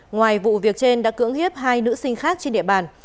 ngoài vụ việc trên đã cưỡng hiếp hai nữ sinh khác trên địa bàn